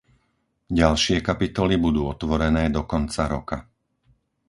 Ďalšie kapitoly budú otvorené do konca roka.